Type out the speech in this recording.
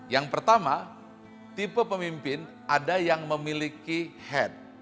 yang pertama tipe pemimpin ada yang memiliki head